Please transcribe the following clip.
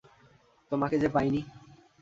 তোমাকে যে পাইনি।